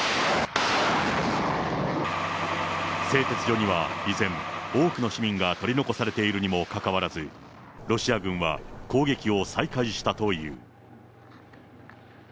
製鉄所には依然、多くの市民が取り残されているにもかかわらず、ロシア軍は攻撃を再開したという。